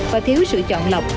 và thiếu sự chọn lọc